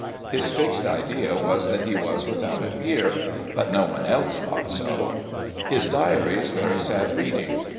His fixed idea was that he was without a peer — but no one else thought so. His diary is very sad reading.